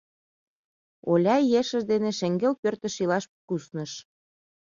Оляй ешыж дене шеҥгел пӧртыш илаш кусныш.